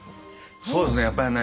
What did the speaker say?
そうですね。